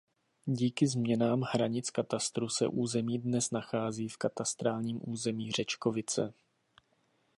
Díky změnám hranic katastru se území dnes nachází v katastrálním území Řečkovice.